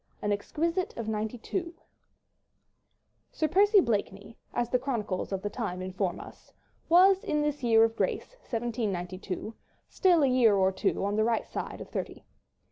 AN EXQUISITE OF '92 Sir Percy Blakeney, as the chronicles of the time inform us, was in this year of grace 1792, still a year or two on the right side of thirty.